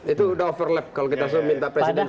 itu udah overlap kalau kita minta presiden